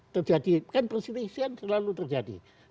terjadi kan perselisian selalu terjadi